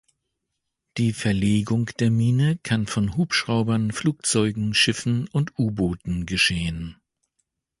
Die Verlegung der Mine kann von Hubschraubern, Flugzeugen, Schiffen und U-Booten geschehen.